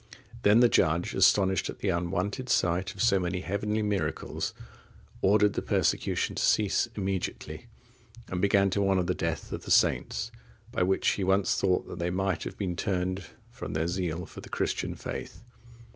Then the judge, astonished at the unwonted sight of so many heavenly miracles, ordered the persecution to cease immediately, and began to honour the death of the saints, by which he once thought that they might have been turned from their zeal for the Christian faith.